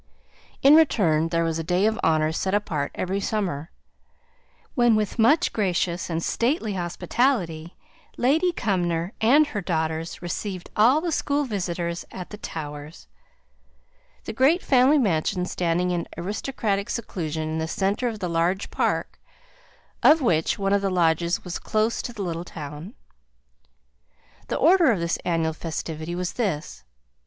In return, there was a day of honour set apart every summer, when with much gracious and stately hospitality, Lady Cumnor and her daughters received all the school visitors at the Towers, the great family mansion standing in aristocratic seclusion in the centre of the large park, of which one of the lodges was close to the little town. The order of this annual festivity was this.